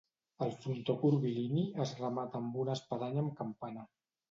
El frontó curvilini es remata amb una espadanya amb campana.